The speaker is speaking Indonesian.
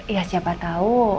ya siapa tau